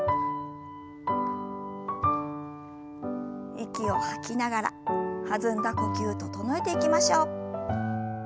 息を吐きながら弾んだ呼吸整えていきましょう。